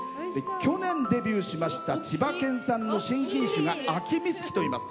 去年デビューしました千葉県産の新品種が秋満月といいます。